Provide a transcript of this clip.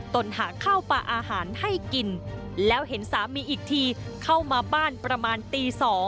หาข้าวปลาอาหารให้กินแล้วเห็นสามีอีกทีเข้ามาบ้านประมาณตี๒